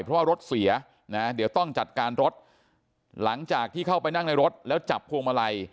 เพราะว่ารถเสียนะเดี๋ยวต้องจัดการรถหลังจากที่เข้าไปนั่งในรถแล้วจับพวงมาลัย